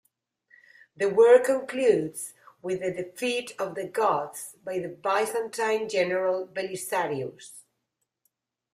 The work concludes with the defeat of the Goths by the Byzantine general Belisarius.